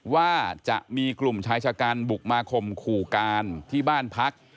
ว่าจะมีกลุ่มชายชะกันบุกมาข่มขู่การที่บ้านพัก